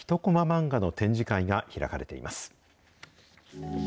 漫画の展示会が開かれています。